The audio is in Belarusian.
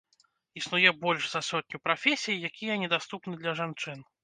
Існуе больш за сотню прафесій, якія недаступны для жанчын.